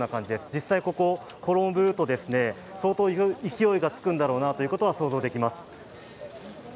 実際ここを転ぶと相当勢いがつくんだろうなということは想像できます。